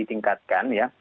ini ditingkatkan ya